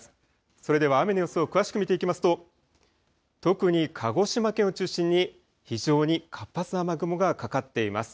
それでは雨の様子を詳しく見ていきますと特に鹿児島県を中心に非常に活発な雨雲がかかっています。